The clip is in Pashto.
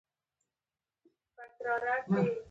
نیلي نهنګ څومره لوی دی؟